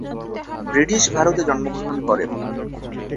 British ভারতে জন্মগ্রহণ করেন।